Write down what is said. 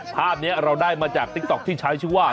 ภาพนี้เราได้มาจากติ๊กต๊อกที่ใช้ชื่อว่า